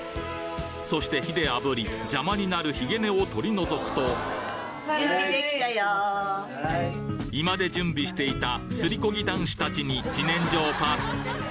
そして火であぶり邪魔になるひげ根を取り除くと居間で準備していたすりこぎ男子達に自然薯をパス